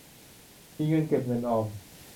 มีเงินเก็บเงินออม